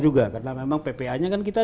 juga karena memang ppa nya kan kita